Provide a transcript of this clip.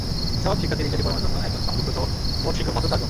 এসব শিক্ষার্থীর ইংরেজি পড়ানোর জন্য একজন সংযুক্তসহ মোট শিক্ষক মাত্র চারজন।